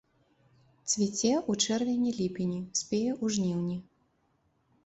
Цвіце ў чэрвені-ліпені, спее ў жніўні.